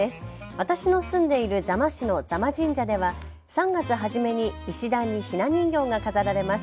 私の住んでいる座間市の座間神社では３月初めに石段にひな人形が飾られます。